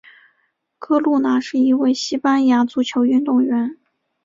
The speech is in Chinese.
哥路拿是一位西班牙足球运动员。